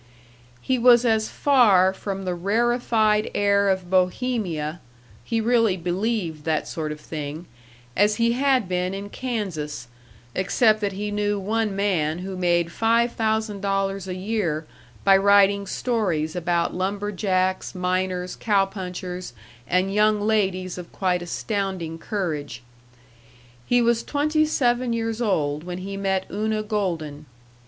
He was as far from the rarified air of Bohemia (he really believed that sort of thing) as he had been in Kansas, except that he knew one man who made five thousand dollars a year by writing stories about lumberjacks, miners, cow punchers, and young ladies of quite astounding courage. He was twenty seven years old when he met Una Golden.